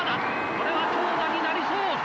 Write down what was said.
これは長打になりそう！